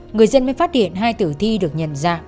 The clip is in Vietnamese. người dân mới phát hiện hai tử thi được nhận ra